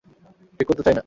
ঠিক করতে চাই না।